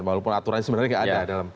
walaupun aturannya sebenarnya tidak ada